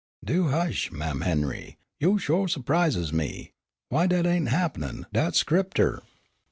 "Do heish, Mam' Henry, you sho' su'prises me. W'y, dat ain' happenin's, dat's Scripter."